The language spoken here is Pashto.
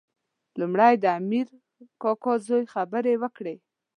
لومړی د امیر کاکا زوی خبرې وکړې.